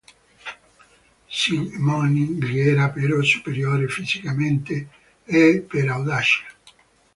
Simone gli era però superiore fisicamente e per audacia.